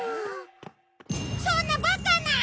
そんなバカな！